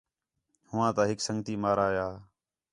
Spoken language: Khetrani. ہوآں تا ہِک سنڳتی مارا یا